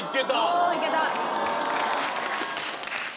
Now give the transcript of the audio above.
おおいけた！